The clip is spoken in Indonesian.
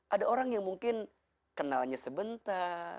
ada orang yang mungkin kenalnya sebentar